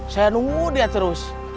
saya nunggu dia terus